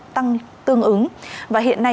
tăng tương ứng và hiện nay